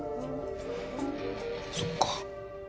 そっか。